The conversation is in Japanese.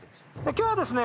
今日はですね